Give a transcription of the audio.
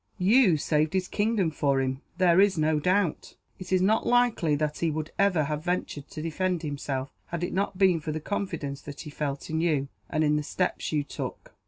"You saved his kingdom for him, there is no doubt. It is not likely that he would ever have ventured to defend himself, had it not been for the confidence that he felt in you, and in the steps you took."